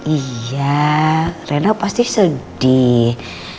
iya rena pasti sedih